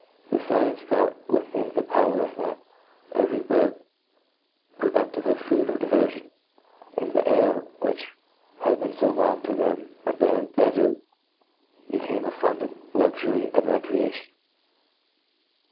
This fcl <nce brought within the power of men every bird produdtive of food or diverfion ; and the air, which had been fo long to them a barren defart, / became a fund of luxury and recreation.